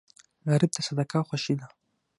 غریب ته صدقه خوښي ده